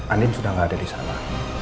andin sudah gak ada disana